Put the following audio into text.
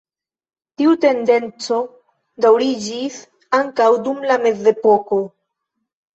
Tiu tendenco daŭriĝis ankaŭ dum la mezepoko.